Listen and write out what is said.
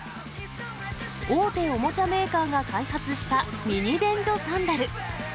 大手おもちゃメーカーが開発したミニ便所サンダル。